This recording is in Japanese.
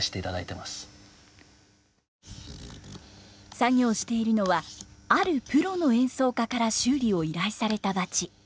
作業しているのはあるプロの演奏家から修理を依頼されたバチ。